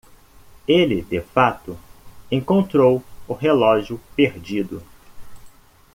Ele de fato encontrou o relógio perdido.